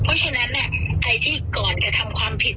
เพราะฉะนั้นใครที่ก่อนจะทำความผิด